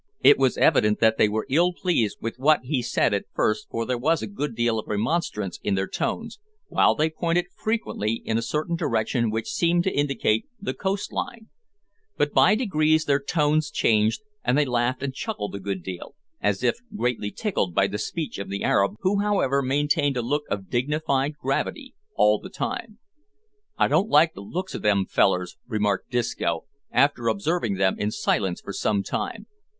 It was evident that they were ill pleased with what he said at first for there was a good deal of remonstrance in their tones, while they pointed frequently in a certain direction which seemed to indicate the coast line; but by degrees their tones changed, and they laughed and chuckled a good deal, as if greatly tickled by the speech of the Arab, who, however, maintained a look of dignified gravity all the time. "I don't like the looks o' them fellers," remarked Disco, after observing them in silence for some time.